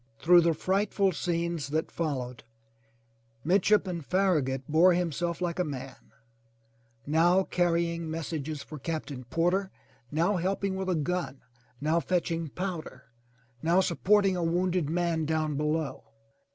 Through the frightful scenes that followed. Midshipman Farragut bore himself like a man, now carrying messages for Captain Porter, now helping with a gun, now fetching powder, now supporting a wounded man down below.